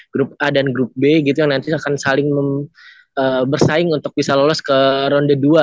grup a dan grup b gitu yang nanti akan saling bersaing untuk bisa lolos ke ronde dua